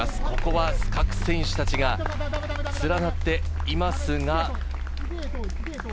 ここは各選手たちが連なっていますが。